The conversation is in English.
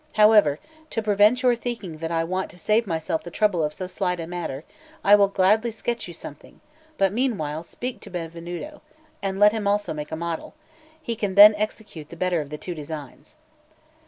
However, to prevent your thinking that I want to save myself the trouble of so slight a matter, I will gladly sketch you something; but meanwhile speak to Benvenuto, and let him also make a model; he can then execute the better of the two designs."